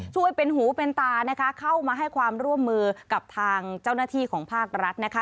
ช่วยเป็นหูเป็นตานะคะเข้ามาให้ความร่วมมือกับทางเจ้าหน้าที่ของภาครัฐนะคะ